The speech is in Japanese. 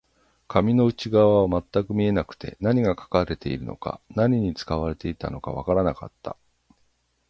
紙の内側は全く見えなくて、何が書かれているのか、何に使われていたのかわからなかった